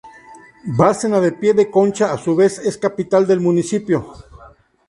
Bárcena de Pie de Concha a su vez es la capital del municipio.